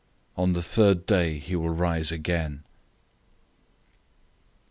On the third day he will rise again."